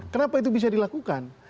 kenapa itu bisa dilakukan